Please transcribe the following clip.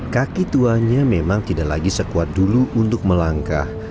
kaki tuanya memang tidak lagi sekuat dulu untuk melangkah